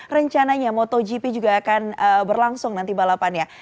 rencananya motogp juga akan berlangsung nanti balapannya